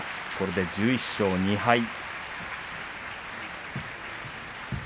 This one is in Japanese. これで１１勝２敗。